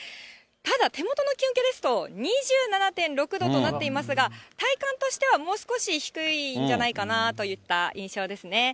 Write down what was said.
ただ、手元の気温計ですと２７．６度となっていますが、体感としてはもう少し低いんじゃないかなといった印象ですね。